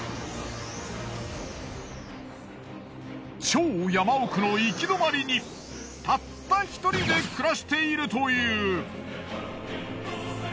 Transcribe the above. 超山奥の行き止まりにたった一人で暮らしているという。